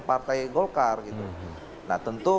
partai golkar gitu nah tentu